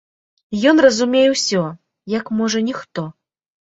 Ён разумее ўсё, як, можа, ніхто.